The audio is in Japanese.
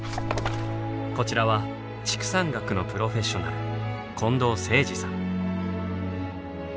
こちらは畜産学のプロフェッショナル近藤誠司さん。